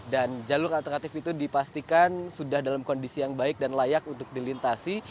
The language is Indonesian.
dan jalur alternatif itu dipastikan sudah dalam kondisi yang baik dan layak untuk dilintasi